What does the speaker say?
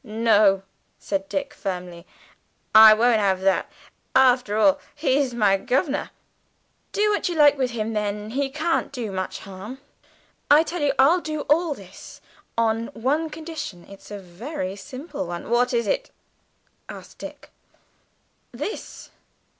"No," said Dick firmly; "I won't have that. After all, he's my governor." "Do what you like with him then, he can't do much harm. I tell you, I'll do all this, on one condition it's a very simple one " "What is it?" asked Dick. "This.